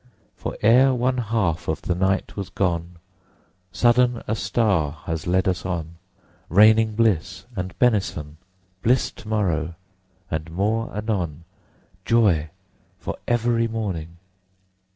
For ere one half of the night was gone, Sudden a star has led us on, Raining bliss and benison— Bliss to morrow and more anon, Joy for every morning!